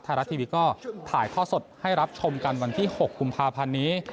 ไทยรัฐทีวีก็ถ่ายท่อสดให้รับชมกันวันที่๖กุมภาพันธ์นี้